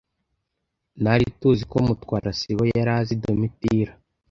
Nari tuziko Mutwara sibo yari azi Domitira.